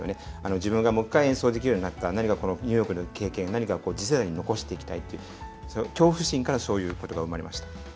自分がもう一回演奏できるようになった何かこのニューヨークの経験を何か次世代に残していきたいという恐怖心からそういうことが生まれました。